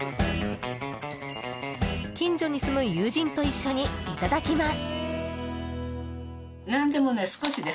近所に住む友人と一緒にいただきます。